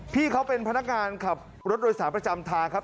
พี่เขาเป็นพนักงานขับรถโดยสารประจำทางครับ